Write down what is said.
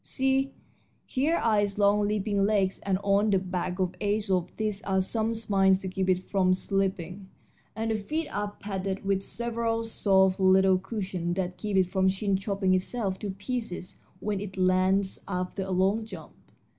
See, here are its long leaping legs, and on the back edge of these are some spines to keep it from slipping, and the feet are padded with several soft little cushions that keep it from chin chopping itself to pieces when it lands after a long jump.